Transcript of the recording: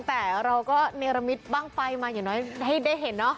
แต่เราก็เนรมิตบ้างไฟมาอย่างน้อยให้ได้เห็นเนาะ